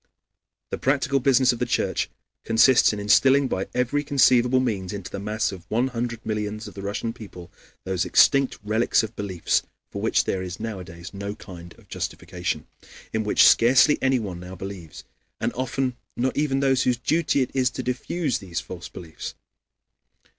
The practical business of the Church consists in instilling by every conceivable means into the mass of one hundred millions of the Russian people those extinct relics of beliefs for which there is nowadays no kind of justification, "in which scarcely anyone now believes, and often not even those whose duty it is to diffuse these false beliefs."